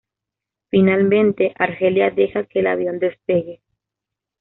Finalmente, Argelia deja que el avión despegue.